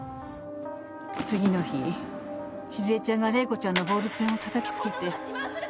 次の日静江ちゃんが玲子ちゃんのボールペンをたたきつけて。